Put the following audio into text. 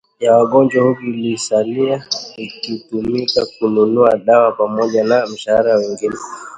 ya wagonjwa huku iliyosalia ikitumika kununua dawa pamoja na mshahara ya wengine